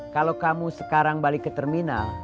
kalau kamu sekarang balik ke terminal